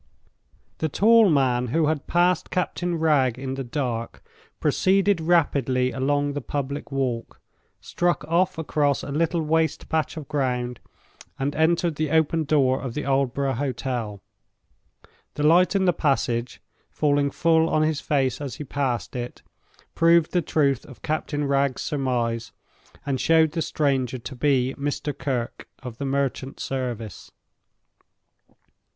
The tall man who had passed Captain Wragge in the dark proceeded rapidly along the public walk, struck off across a little waste patch of ground, and entered the open door of the Aldborough Hotel. The light in the passage, falling full on his face as he passed it, proved the truth of Captain Wragge's surmise, and showed the stranger to be Mr. Kirke, of the merchant service.